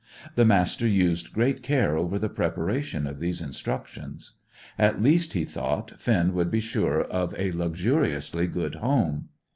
The Master used great care over the preparation of these instructions. At least, he thought, Finn would be sure of a luxuriously good home.